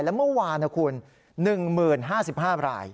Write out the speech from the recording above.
และเมื่อวานนะคุณ๑๐๕๕ราย